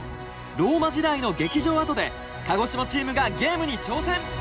ローマ時代の劇場跡で鹿児島チームがゲームに挑戦！